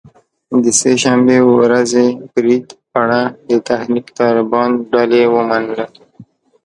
د سه شنبې ورځې برید پړه د تحریک طالبان ډلې ومنله